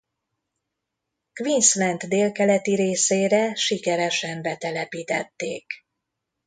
Queensland délkeleti részére sikeresen betelepítették.